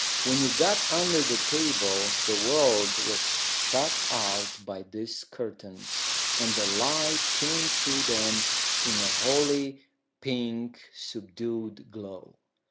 When you got under the table the world was shut out by these curtains, and the light came through them in a holy, pink, subdued glow.